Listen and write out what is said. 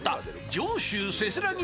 上州せせらぎ